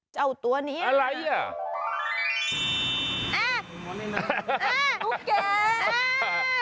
เจ้าตัวนี้นะครับอ่ะตุ๊กแก่อ่าอ่า